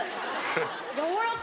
やわらか！